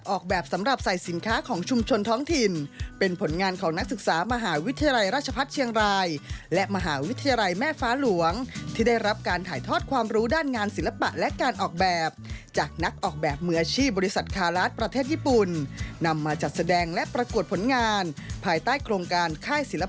ออกแบบสำหรับใส่สินค้าของชุมชนท้องถิ่นเป็นผลงานของนักศึกษามหาวิทยาลัยราชพัฒน์เชียงรายและมหาวิทยาลัยแม่ฟ้าหลวงที่ได้รับการถ่ายทอดความรู้ด้านงานศิลปะและการออกแบบจากนักออกแบบมืออาชีพบริษัทคาราชประเทศญี่ปุ่นนำมาจัดแสดงและประกวดผลงานภายใต้โครงการค่ายศิลป